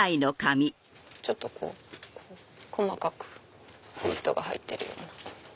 ちょっとこう細かくスリットが入ってるような。